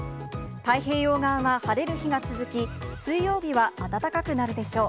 太平洋側は晴れる日が続き、水曜日は暖かくなるでしょう。